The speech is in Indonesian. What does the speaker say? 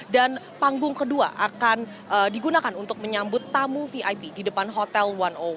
dan panggung kedua akan digunakan untuk menyambut tamu vip di depan hotel satu ratus satu